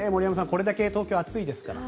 これだけ東京、暑いですから。